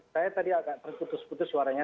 saya tadi agak terputus putus suaranya